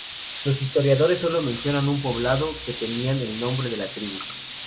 Los historiadores sólo mencionan un poblado, que tenía el nombre de la tribu.